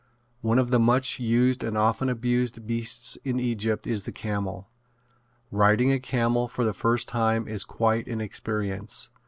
One of the much used and often abused beasts in Egypt is the camel. Riding a camel for the first time is quite an experience.